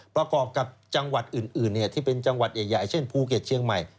ประกอบกับจังหวัดอื่นที่เป็นจังหวัดใหญ่เช่นภูเก็ตเชียงใหม่